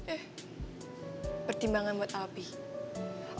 eh pertimbangan buat lapih